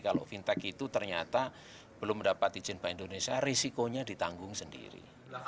kalau fintech itu ternyata belum mendapat izin bank indonesia risikonya ditanggung sendiri